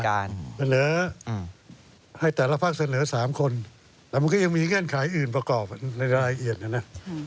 เสนอให้แต่ละภาคเสนอ๓คนแต่มันก็ยังมีเงื่อนไขอื่นประกอบในรายละเอียดนะนะ